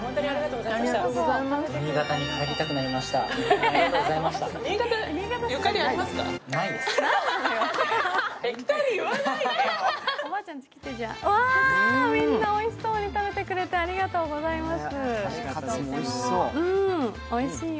うわー、みんなおいしそうに食べてくれてありがとうございます。